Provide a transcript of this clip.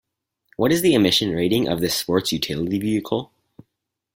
What is the emission rating of this sports utility vehicle?